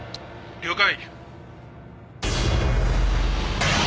了解。